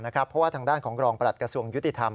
เพราะว่าทางด้านของรองประหลัดกระทรวงยุติธรรม